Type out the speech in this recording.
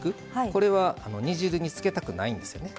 これは、煮汁につけたくないんですよね。